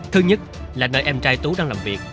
thứ nhất là nơi em trai tú đang làm việc